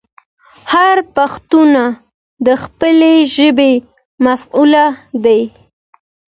هر پښتون د خپلې ژبې مسوول دی.